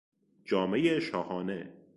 جامهی شاهانه